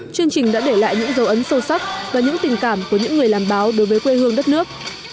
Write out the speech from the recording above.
chương trình đã để lại những dấu ấn sâu sắc và những tình cảm của những người làm báo đối với quê hương đất nước